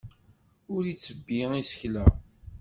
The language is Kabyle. Ur ittebbi isekla.